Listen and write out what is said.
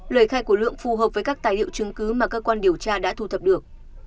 lời khai của lượng phù hợp với các tài liệu chứng cứ mà cơ quan điều tra đã thu thập được